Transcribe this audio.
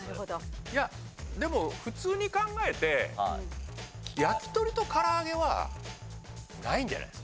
でも普通に考えてやきとりとからあげはないんじゃない？